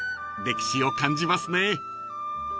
［歴史を感じますね］